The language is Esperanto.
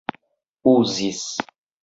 uzis